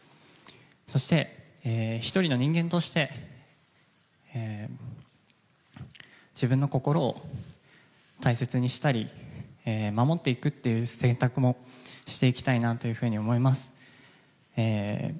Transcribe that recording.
そして、１人の人間として自分の心を大切にしたり守っていくという選択もしていきたいなと思います。